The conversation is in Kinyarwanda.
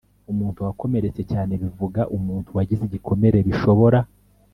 Umuntu wakomeretse cyane bivuga umuntu wagize igikomere bishobora